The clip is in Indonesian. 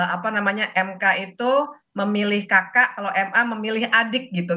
apa namanya mk itu memilih kakak kalau ma memilih adik gitu